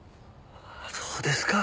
そうですか。